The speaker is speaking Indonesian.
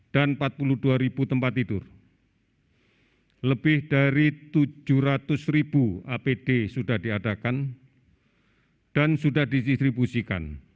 dan empat puluh dua ribu tempat tidur lebih dari tujuh ratus ribu apd sudah diadakan dan sudah didistribusikan